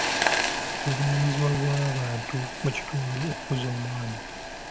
Buvunaanyizibwa bw'abantu mu kitundu okukuza omwana.